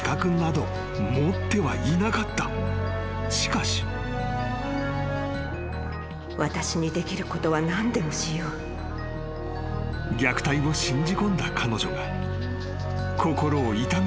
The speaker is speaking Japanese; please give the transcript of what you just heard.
［しかし］［虐待を信じ込んだ彼女が心を痛めたことは間違いない］